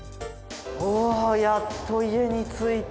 おやっと家に着いた。